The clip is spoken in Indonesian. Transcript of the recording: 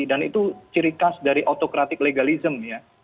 dan itu ciri khas dari autokratik legalisme ya